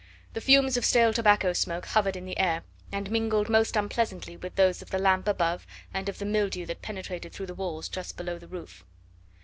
The fumes of stale tobacco smoke hovered in the air, and mingled most unpleasantly with those of the lamp above, and of the mildew that penetrated through the walls just below the roof.